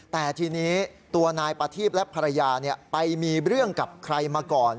แต่ทีนี้ตัวนายประทีพและภรรยาไปมีเรื่องกับใครมาก่อน